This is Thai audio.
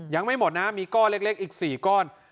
ยังไม่หมดนะมีก้อนเล็กอีก๔ก้อน